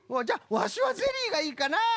じゃワシはゼリーがいいかな。